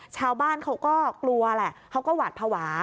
ชาวบ้านเขาก็กลัวแหละเขาก็หวาดภาวะ